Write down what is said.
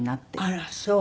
あらそう。